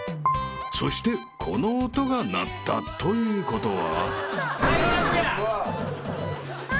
［そしてこの音が鳴ったということは］